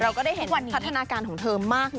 ก็ได้เห็นวันพัฒนาการของเธอมากนะ